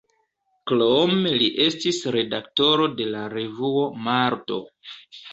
Krome li estis redaktoro de la revuo „Marto“.